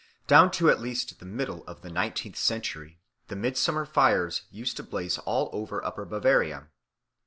Down at least to the middle of the nineteenth century the midsummer fires used to blaze all over Upper Bavaria.